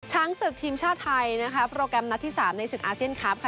ช้างศึกทีมชาติไทยนะครับโปรแกรมนัดที่สามในสิ่งอาเซียนครับค่ะ